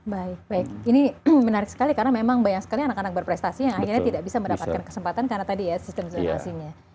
baik baik ini menarik sekali karena memang banyak sekali anak anak berprestasi yang akhirnya tidak bisa mendapatkan kesempatan karena tadi ya sistem zonasinya